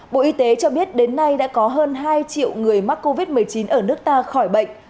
bộ y tế cho biết đến nay đã có hơn hai triệu người mắc covid một mươi chín ở nước ta khỏi bệnh